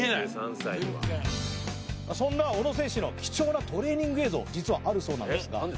全然そんな小野選手の貴重なトレーニング映像実はあるそうなんですがえっ